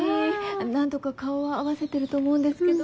何度か顔は合わせてると思うんですけど。